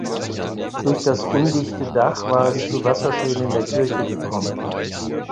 Durch das undichte Dach war es zu Wasserschäden in der Kirche gekommen.